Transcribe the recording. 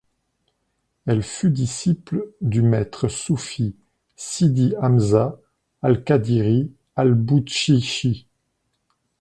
Elle fut disciple du maître soufi Sidi Hamza al Qâdiri al Boutchichi.